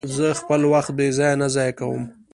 زه خپل وخت بې ځایه نه ضایع کوم.